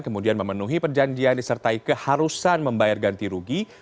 kemudian memenuhi perjanjian disertai keharusan membayar ganti rugi